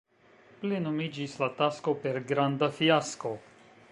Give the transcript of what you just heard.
Plenumiĝis la tasko per granda fiasko.